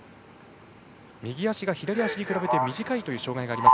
右足が左足に比べて短いという障がいがあります。